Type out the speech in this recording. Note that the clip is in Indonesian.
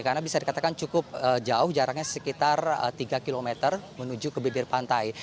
karena bisa dikatakan cukup jauh jaraknya sekitar tiga kilometer menuju ke bibir pantai